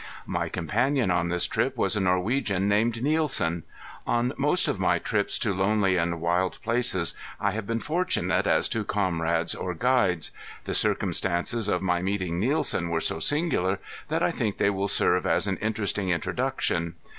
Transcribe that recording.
My companion on this trip was a Norwegian named Nielsen. On most of my trips to lonely and wild places I have been fortunate as to comrades or guides. The circumstances of my meeting Nielsen were so singular that I think they will serve as an interesting introduction.